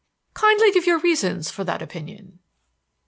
"Kindly give your reasons for that opinion."